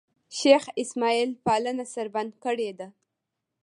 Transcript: شېخ اسماعیل پالنه سړبن کړې ده.